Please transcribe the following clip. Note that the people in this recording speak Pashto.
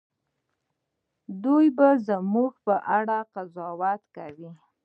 دوی به زموږ په اړه قضاوت کوي.